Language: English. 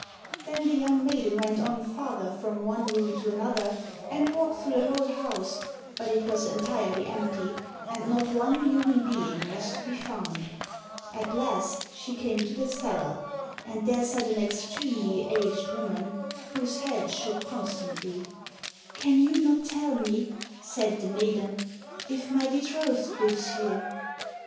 Then the young maiden went on farther from one room to another, and walked through the whole house, but it was entirely empty and not one human being was to be found. At last she came to the the cellar, and there sat an extremely aged woman, whose head shook constantly. "Can you not tell me," said the maiden, "if my betrothed lives here?"